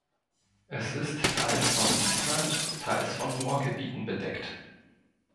Es ist teils von Wiesland, teils von Moorgebieten bedeckt.